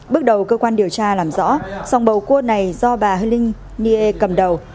bước đầu cơ quan điều tra làm rõ song bầu cua này do bà hương linh nghê cầm đầu